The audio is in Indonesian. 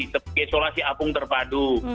sebagai isolasi apung terpadu